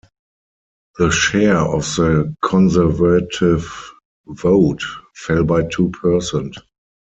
The share of the Conservative vote fell by two percent.